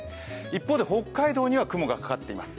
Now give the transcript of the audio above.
一方で北海道には雲がかかっています。